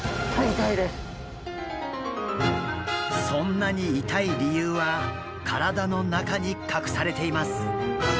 そんなに痛い理由は体の中に隠されています。